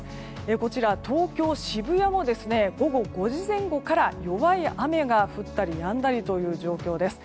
こちら、東京・渋谷も午後５時前後から弱い雨が降ったりやんだりという状況です。